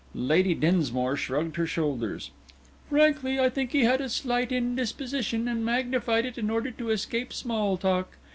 Lady Dinsmore shrugged her shoulders. "Frankly, I think he had a slight indisposition, and magnified it in order to escape small talk.